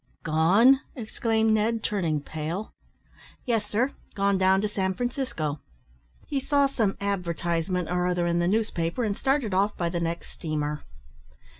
"Gone!" exclaimed Ned, turning pale. "Yes, sir; gone down to San Francisco. He saw some advertisement or other in the newspaper, and started off by the next steamer."